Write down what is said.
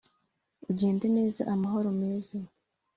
ugende neza, amahoro meza